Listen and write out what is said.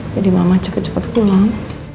jadi mama cepet cepet pulang